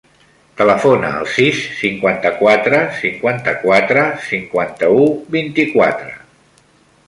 Telefona al sis, cinquanta-quatre, cinquanta-quatre, cinquanta-u, vint-i-quatre.